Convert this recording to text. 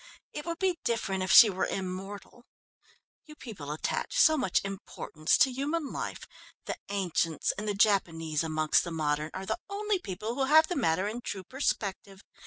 "It would be different if she were immortal. You people attach so much importance to human life the ancients, and the Japanese amongst the modern, are the only people who have the matter in true perspective.